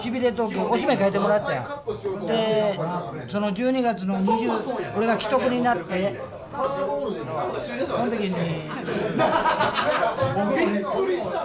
１２月の２０おれが危篤になってその時に。